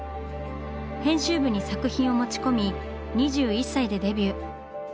編集部に作品を持ち込み２１歳でデビュー。